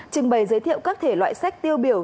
trưng bày giới thiệu các thể loại sách tiêu biểu